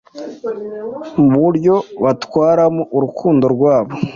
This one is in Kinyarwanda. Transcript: mu buryo batwaramo urukundo rwabo